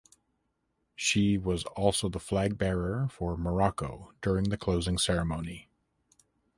She was also the flag bearer for Morocco during the closing ceremony.